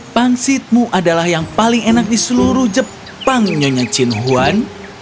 pangsitmu adalah yang paling enak di seluruh jepang nyonya chinhuan